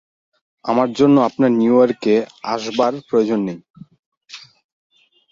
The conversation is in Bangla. আমার জন্য আপনার নিউ ইয়র্কে আসবার প্রয়োজন নেই।